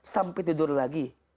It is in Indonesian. sampai tidur lagi